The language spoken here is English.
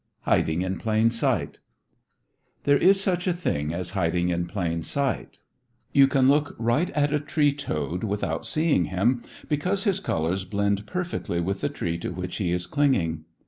HIDING IN PLAIN SIGHT There is such a thing as hiding in plain sight. You can look right at a tree toad without seeing him, because his colors blend perfectly with the tree to which he is clinging.